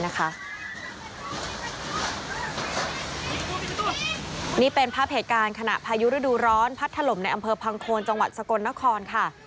นี่เป็นภาพเหตุการณ์ขณะพายุฤดูร้อนพัดถล่มในอำเภอพังโคนจังหวัดสกลนครค่ะ